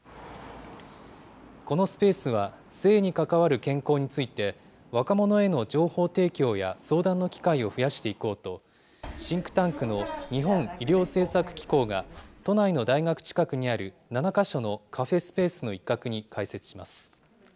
このスペースは、性に関わる健康について、若者への情報提供や相談の機会を増やしていこうと、シンクタンクの日本医療政策機構が都内の大学近くにある７か所のカフェスペースの一角に開設します。